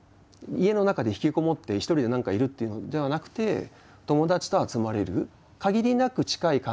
家の中で引きこもって一人で何かいるっていうのではなくて友達と集まれる。